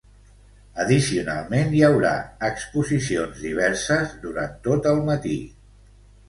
Addicionalment, hi haurà exposicions diverses durant tot el matí.